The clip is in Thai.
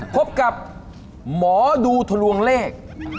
พบกับหมอดูทะลวงเลข